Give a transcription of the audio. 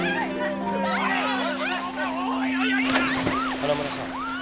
花村さん。